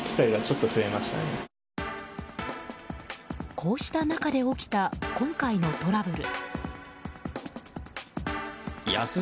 こうした中で起きた今回のトラブル。